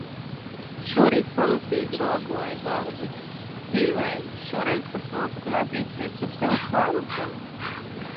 Šorīt pamatīgi nogulēju darbu. Dīvaini, šoreiz par to pat nebija sirdsapziņas pārmetumu.